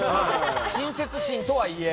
親切心とはいえ。